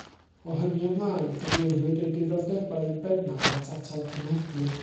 O hynny ymlaen, cyfeiriwyd ei diddordebau yn bennaf at atal cenhedlu.